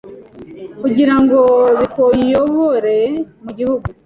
kugirango bikuyobore mugihugu